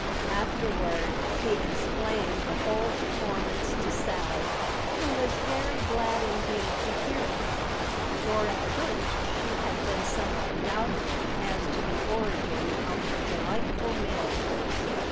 Afterward he explained the whole performance to Sally, who was very glad indeed to hear it, for at first she had been somewhat doubtful as to the origin of her delightful mail box.